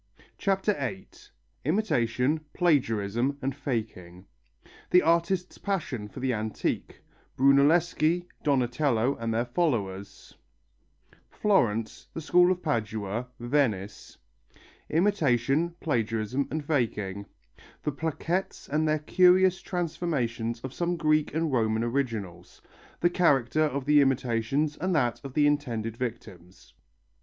CHAPTER VIII IMITATION, PLAGIARISM AND FAKING The artists' passion for the antique Brunelleschi, Donatello and their followers Florence, the School of Padua, Venice Imitation, plagiarism and faking The plaquettes and their curious transformations of some Greek and Roman originals The character of the imitations and that of the intended victims.